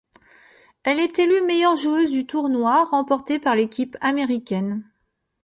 Elle est élue meilleure joueuse du tournoi, remporté par l'équipe américaine.